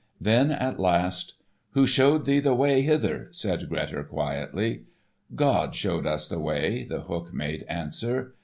Then at last: "Who showed thee the way hither?" said Grettir quietly. "God showed us the way," The Hook made answer.